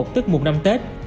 tức một năm tết